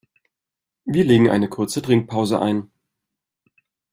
Wir legen eine kurze Trinkpause ein.